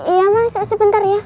iya mas sebentar ya